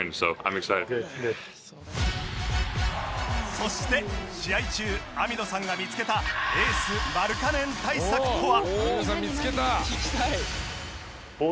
そして、試合中網野さんが見つけたエース、マルカネン対策とは。